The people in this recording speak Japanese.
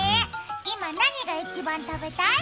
今、何が一番食べたい？